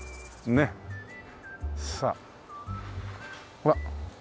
ほら。